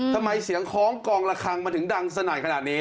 ทำไมเสียงคล้องกองละครังมันถึงดังสนั่นขนาดนี้